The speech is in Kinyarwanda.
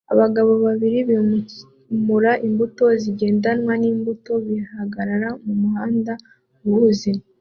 Abagabo babiri bimura imbuto zigendanwa n'imbuto bihagarara mumuhanda uhuze